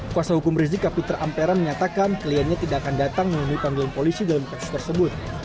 kuasa hukum rizik kapiter ampera menyatakan kliennya tidak akan datang memenuhi panggilan polisi dalam kasus tersebut